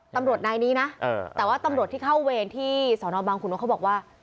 ตำรวจนายนี้นะแต่ว่าตำรวจที่เข้าเวรที่สอนอบางขุนนทเขาบอกว่า